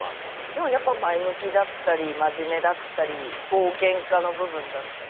でもやっぱ前向きだったり真面目だったり冒険家の部分だったり。